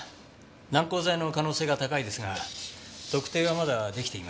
軟膏剤の可能性が高いですが特定はまだ出来ていません。